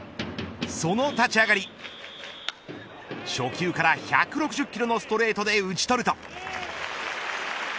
その立ち上がり初球から１６０キロのストレートで打ち取ると。